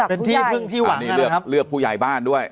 เป็นที่พึ่งที่หวังนี่เลือกเลือกผู้ใหญ่บ้านด้วย